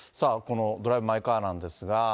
このドライブ・マイ・カーなんですが。